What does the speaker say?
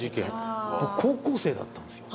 僕高校生だったんですよ。